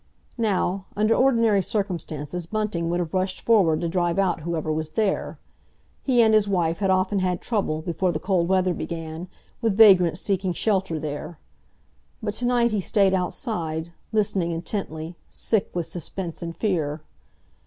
Now, under ordinary circumstances Bunting would have rushed forward to drive out whoever was there. He and his wife had often had trouble, before the cold weather began, with vagrants seeking shelter there. But to night he stayed outside, listening intently, sick with suspense and fear.